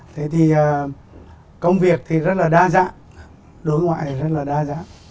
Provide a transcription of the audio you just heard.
thế thì công việc thì rất là đa dạng đối ngoại rất là đa dạng